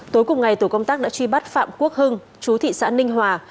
tối cùng ngày tổ công tác đã truy bắt phạm quốc hưng chú thị xã ninh hòa